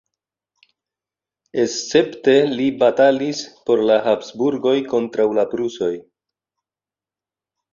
Escepte li batalis por la Habsburgoj kontraŭ la prusoj.